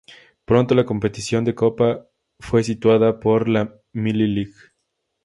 Pronto, la competición de copa fue sustituida por la Milli Lig.